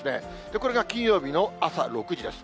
これが金曜日の朝６時です。